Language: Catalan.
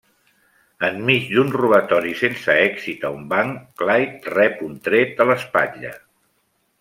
Enmig d'un robatori sense èxit a un banc, Clyde rep un tret a l'espatlla.